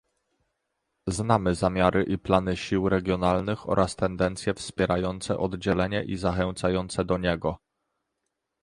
Znamy zamiary i plany sił regionalnych oraz tendencje wspierające oddzielenie i zachęcające do niego